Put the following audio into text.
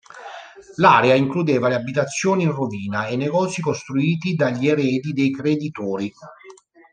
L'area includeva le abitazioni in rovina e i negozi costruiti dagli eredi dei creditori.